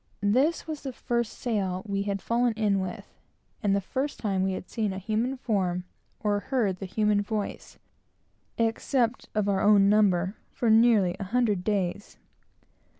This was the first sail we had fallen in with, and the first time we had seen a human form or heard the human voice, except of our own number, for nearly a hundred days.